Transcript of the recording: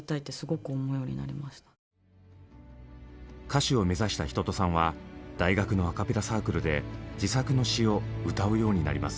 歌手を目指した一青さんは大学のアカペラサークルで自作の詩を歌うようになります。